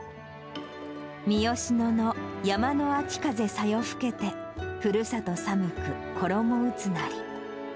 み吉野の山の秋風小夜ふけて、ふるさと寒く衣打つなり。